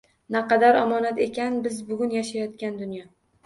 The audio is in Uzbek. Naqadar omonat ekan biz bugun yashayotgan dunyo.